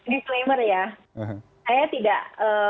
disclaimer ya saya tidak